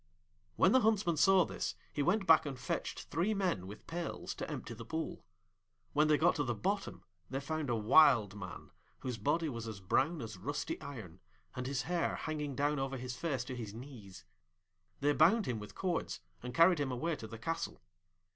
When the Huntsman saw this, he went back and fetched three men with pails to empty the pool. When they got to the bottom they found a Wild Man, whose body was as brown as rusty iron, and his hair hanging down over his face to his knees. They bound him with cords, and carried him away to the castle.